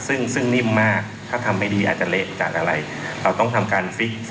ซึ่งนิ่มมากถ้าทำไม่ดีอาจจะเละจากอะไรเราต้องทำการฟิก